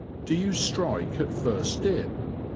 Do you strike at first dip_?